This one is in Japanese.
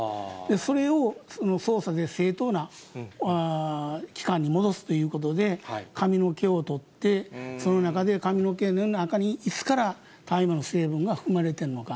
それを捜査で正当な期間に戻すということで、髪の毛を取って、その中で髪の毛の中にいつから大麻の成分が含まれてんのか。